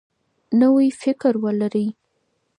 نوی فکر ولرئ.